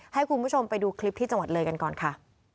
ให้คุณผู้ชมไปดูคลิปที่จังหวัดเลยกันก่อนค่ะ